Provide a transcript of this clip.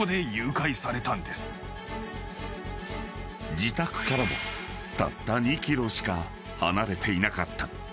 ［自宅からもたった２ｋｍしか離れていなかった］